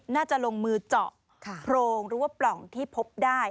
น่าจะลงมือเจาะโพรงหรือว่าปล่องที่พบได้